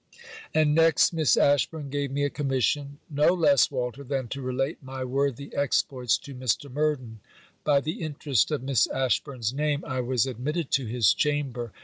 And, next, Miss Ashburn gave me a commission. No less, Walter, than to relate my worthy exploits to Mr. Murden. By the interest of Miss Ashburn's name, I was admitted to his chamber.